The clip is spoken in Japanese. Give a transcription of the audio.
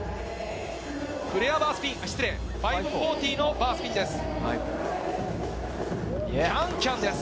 フレアバースピン、失礼、５４０のバースピンです。